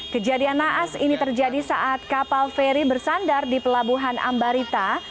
kejadian naas ini terjadi saat kapal feri bersandar di pelabuhan ambarita